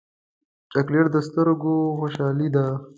چاکلېټ د سترګو خوشحالي ده.